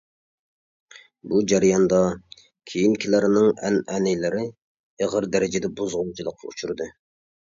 بۇ جەرياندا كېيىنكىلەرنىڭ ئەنئەنىلىرى ئېغىر دەرىجىدە بۇزغۇنچىلىققا ئۇچرىدى.